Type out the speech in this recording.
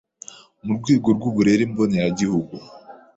MU RWEGO RW’UBURERE MBONERAGIHUGU